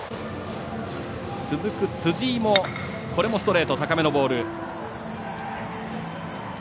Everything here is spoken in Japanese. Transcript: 続く辻井も、これもストレート高めのボール。